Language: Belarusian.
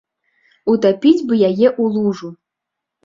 Утапіць бы яе ў лужу.